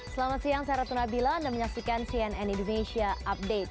selamat siang saya ratna bila dan menyaksikan cnn indonesia update